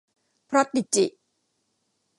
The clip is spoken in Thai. พรอดดิจิ